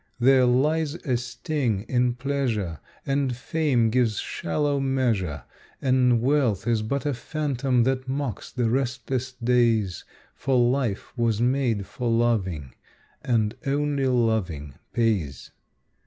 There lies a sting in pleasure, And fame gives shallow measure, And wealth is but a phantom that mocks the restless days, For life was made for loving, and only loving pays.